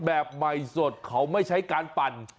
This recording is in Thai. แบบใหม่สดเขาไม่ใช้การปั่น